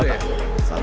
dan menyiapkan para atlet